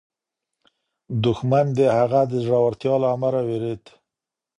دښمن د هغه د زړورتیا له امله وېرېد.